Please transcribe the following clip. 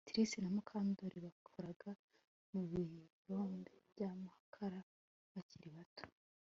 Trix na Mukandoli bakoraga mu birombe byamakara bakiri bato